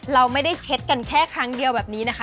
เราไม่ได้เช็ดกันแค่ครั้งเดียวแบบนี้นะคะ